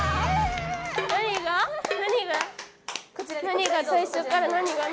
何が最初から何が？